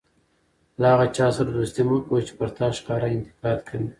له هغه چا سره دوستي مه کوئ! چي پر تا ښکاره انتقاد کوي.